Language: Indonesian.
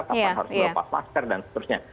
kapan harus melepas masker dan seterusnya